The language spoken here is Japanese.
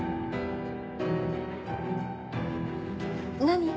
何？